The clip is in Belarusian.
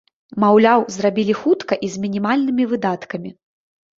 Маўляў, зрабілі хутка і з мінімальнымі выдаткамі.